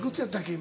今。